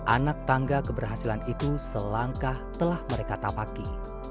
anak tangga keberhasilan itu selangkah telah mereka tapaki